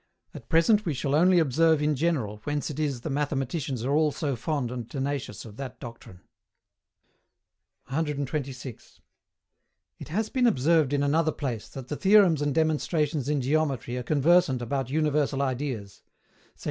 At present we shall only observe in general whence it is the mathematicians are all so fond and tenacious of that doctrine. 126. It has been observed in another place that the theorems and demonstrations in Geometry are conversant about universal ideas (sect.